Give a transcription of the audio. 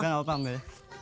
gak apa apa ambil